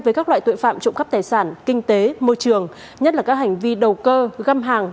với các loại tội phạm trộm cắp tài sản kinh tế môi trường nhất là các hành vi đầu cơ găm hàng